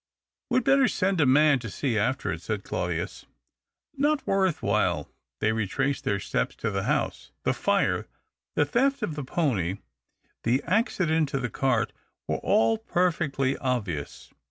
" We'd Ijetter send a man to see after it," said Claudius. " Not worth while." They retraced their steps to the house. The fire — the theft of the pony — the accident to the cart — were all perfectly obvious.